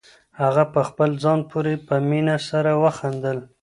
هغه په خپل ځان پورې په مینه سره وخندل.